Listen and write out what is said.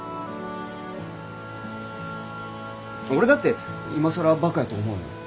俺だって今更バカやと思うよ。